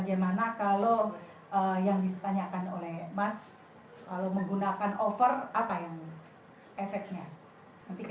yang awalnya dia belinya empat tiga dan ia gunakan sudah alkitwin dan sisanya tiga